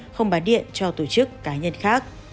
không bán điện cho tổ chức cá nhân khác